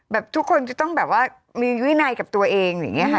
ทุกคนจะต้องแบบว่ามีวินัยกับตัวเองอย่างนี้ค่ะ